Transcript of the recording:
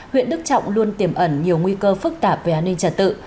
huyện đức trọng luôn tiềm ẩn nhiều nguy cơ phức tạp về an ninh trật tự